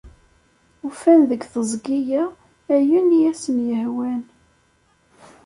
Ufan deg teẓgi-a ayen i asen-yehwan.